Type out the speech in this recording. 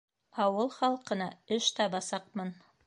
Ауыл халҡына эш табасаҡмын.